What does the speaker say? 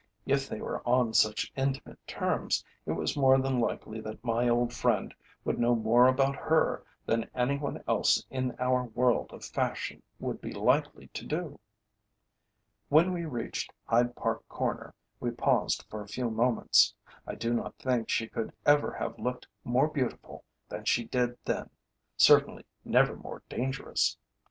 If they were on such intimate terms it was more than likely that my old friend would know more about her than any one else in our world of fashion would be likely to do. When we reached Hyde Park Corner we paused for a few moments. I do not think she could ever have looked more beautiful than she did then, certainly never more dangerous.